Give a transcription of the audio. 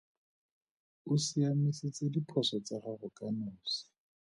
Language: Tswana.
O siamisitse diphoso tsa gago ka nosi.